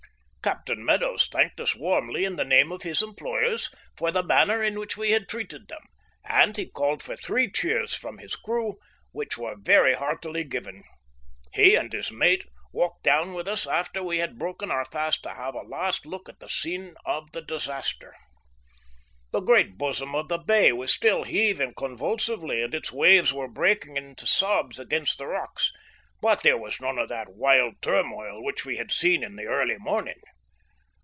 Captain Meadows thanked us warmly in the name of his employers for the manner in which we had treated them, and he called for three cheers from his crew, which were very heartily given. He and the mate walked down with us after we had broken our fast to have a last look at the scene of the disaster. The great bosom of the bay was still heaving convulsively, and its waves were breaking into sobs against the rocks, but there was none of that wild turmoil which we had seen in the early morning.